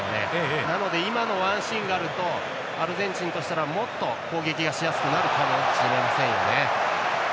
なので今のワンシーンがあるとアルゼンチンとしてはもっと攻撃しやすくなるかもしれませんよね。